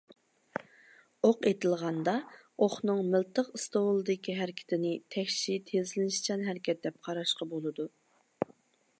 ئوق ئېتىلغاندا، ئوقنىڭ مىلتىق ئىستوۋۇلىدىكى ھەرىكىتىنى تەكشى تېزلىنىشچان ھەرىكەت دەپ قاراشقا بولىدۇ.